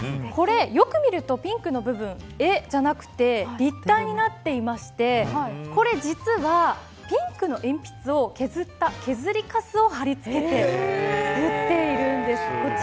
これ、よく見るとピンクの部分絵じゃなくて立体になっていてこれ実はピンクの鉛筆を削った削りカスを貼り付けて作っているんです。